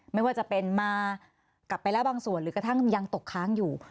ไม่ว่าจะเป็นมากลับไปแล้วบางส่วนหรือกระทั่งยังตกค้างอยู่